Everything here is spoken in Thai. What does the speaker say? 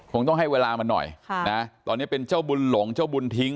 คงต้องให้เวลามันหน่อยค่ะนะตอนนี้เป็นเจ้าบุญหลงเจ้าบุญทิ้ง